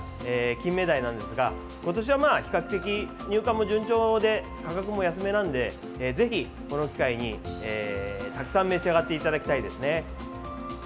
キンメダイなんですが今年は比較的、入荷も順調で価格も安めなのでぜひ、この機会にたくさん召し上がっていただきたいですね。